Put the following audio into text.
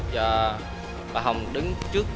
và bà hồng đứng trước